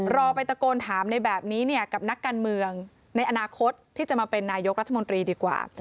รอไปตะโกนถามในแบบนี้เนี่ยกับนักการเมืองในอนาคตที่จะมาเป็นนายกรัฐมนตรีดีกว่า